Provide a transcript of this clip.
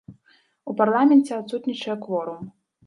У парламенце адсутнічае кворум.